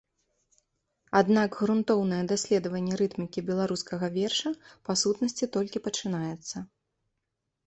Аднак грунтоўнае даследаванне рытмікі беларускага верша па сутнасці толькі пачынаецца.